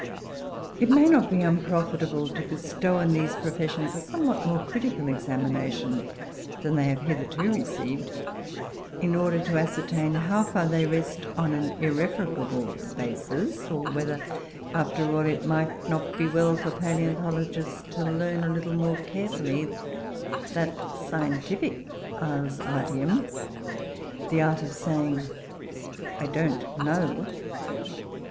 It may not be unprofitable to bestow on these professions a somewhat more critical examination than they have hitherto received, in order to ascertain how far they rest on an irrefragable basis; or whether, after all, it might not be well for palaeontologists to learn a little more carefully that scientific "ars artium," the art of saying "I don't know."